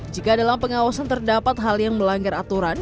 jika dalam pengawasan terdapat hal yang melanggar aturan